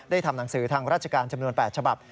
ทำหนังสือทางราชการจำนวน๘ฉบับ